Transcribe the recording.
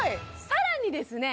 さらにですね